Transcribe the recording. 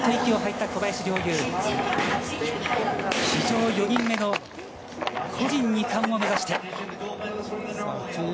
史上４人目の個人２冠を目指して。